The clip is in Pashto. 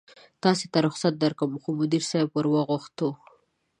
تاسې ته رخصت درکوم، خو مدیر صاحبې ور وغوښتو.